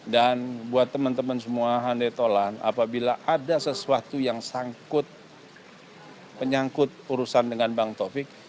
dan buat teman teman semua handai tolan apabila ada sesuatu yang sangkut penyangkut urusan dengan bang taufik